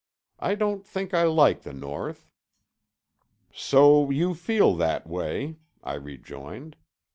I don't think I like the North." "So you feel that way," I rejoined.